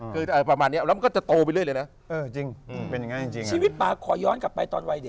คือเอ้าประมาณเนี้ยผมว่ามันก็จะโตไปเรื่อยเลยน่ะ